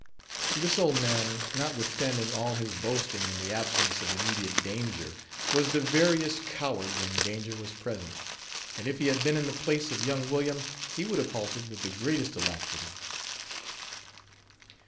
" This old man, notwithstanding all his boasting in the absence of immediate danger, was the verriest coward when danger was present; and if he had been in the place of young William, he would have halted with the greatest alacrity.